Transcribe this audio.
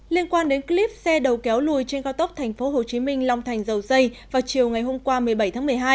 liên quan đến clip xe đầu kéo lùi trên cao tốc tp hcm long thành dầu dây vào chiều ngày hôm qua một mươi bảy tháng một mươi hai